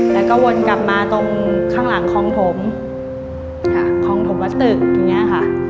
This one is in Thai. แล้วก็วนกลับมาตรงข้างหลังคองผมคองผมวัดตึกอย่างนี้ค่ะ